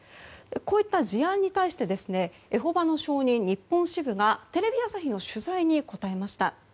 こういった事案に対してエホバの証人日本支部がテレビ朝日の取材に答えました。